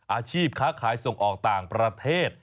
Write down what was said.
อาชีพค้าขายส่งออกต่างประเทศ